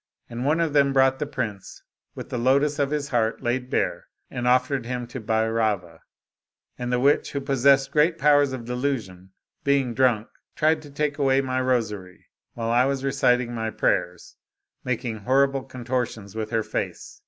And one of them brought the prince, with the lotus of his heart laid bare, and offered him to Bhairava. And the witch, who possessed great powers of delusion, being drunk, tried to take away my rosary, while I was reciting my prayers, making horrible contortions with her face.